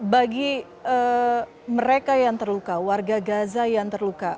bagi mereka yang terluka warga gaza yang terluka